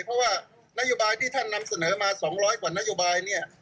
เพราะว่านโยบายที่ท่านนำเสนอมา๒๐๐กว่านโยบายเนี่ย